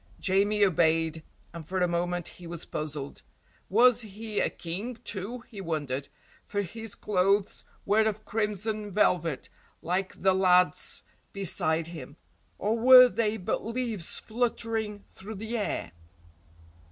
Jamie obeyed, and for a moment he was puzzled. Was he a King, too, he wondered, for his clothes were of crimson velvet like the lad's beside him, or were they but leaves fluttering through the air?